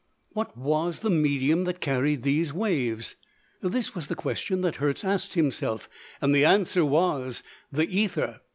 What was the medium that carried these waves? This was the question that Hertz asked himself, and the answer was, the ether.